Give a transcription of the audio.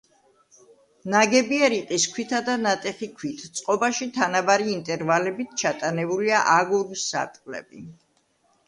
ნაგებია რიყის ქვითა და ნატეხი ქვით; წყობაში თანაბარი ინტერვალებით ჩატანებულია აგურის სარტყლები.